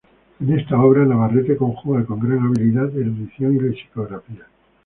En esta obra Navarrete conjuga con gran habilidad erudición y lexicografía.